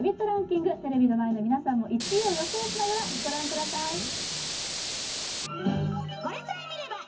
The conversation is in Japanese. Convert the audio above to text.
ランキング、テレビの前の皆さんも１位を予想しながらご覧ください。